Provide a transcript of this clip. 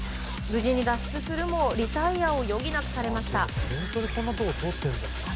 無事に脱出するもリタイアを余儀なくされました。